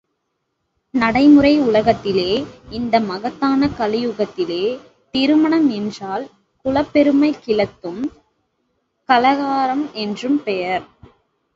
நடைமுறை உலகத்திலே இந்த மகத்தான கலியுகத்திலே, திருமணம் என்றால் குலப் பெருமை கிளத்தும் கலகாரம்பம் என்று பெயர்.